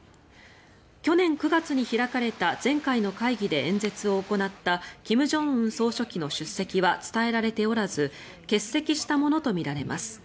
去年９月に開かれた前回の会議で演説を行った金正恩総書記の出席は伝えられておらず欠席したものとみられます。